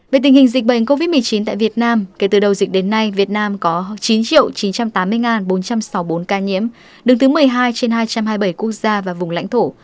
về tình hình dịch bệnh covid một mươi chín tại việt nam kể từ đầu dịch đến nay việt nam có chín chín trăm tám mươi bốn trăm sáu mươi bốn ca nhiễm đứng thứ một mươi hai trên hai trăm hai mươi bảy quốc gia và vùng lãnh thổ